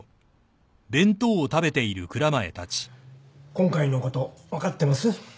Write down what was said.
今回のこと分かってます？